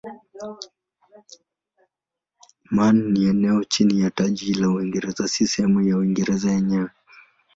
Man ni eneo chini ya taji la Uingereza si sehemu ya Uingereza yenyewe.